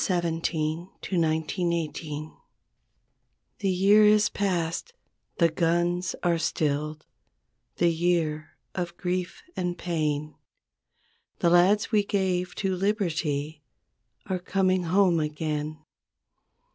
— 38 " OUR HEROES (1917 1918) The year is passed, the guns are stilled The year of grief and pain. The lads we gave to Liberty Are coming home again.